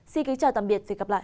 xin kính chào tạm biệt và hẹn gặp lại